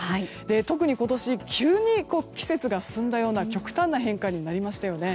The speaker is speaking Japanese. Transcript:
特に今年急に季節が進んだような極端な変化になりましたよね。